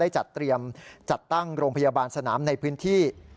จัดเตรียมจัดตั้งโรงพยาบาลสนามในพื้นที่